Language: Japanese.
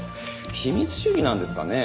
秘密主義なんですかね？